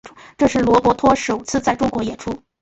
这也是罗伯托首次在中国的演出。